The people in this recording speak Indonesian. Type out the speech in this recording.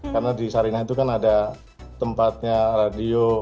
karena di sarinah itu kan ada tempatnya radio